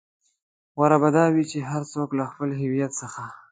غوره به دا وي چې هر څوک له خپل هويت څخه.